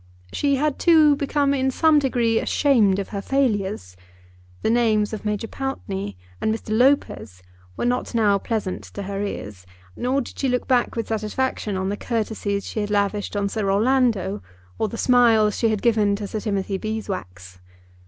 She had, too, become in some degree ashamed of her failures. The names of Major Pountney and Mr. Lopez were not now pleasant to her ears, nor did she look back with satisfaction on the courtesies she had lavished on Sir Orlando or the smiles she had given to Sir Timothy Beeswax.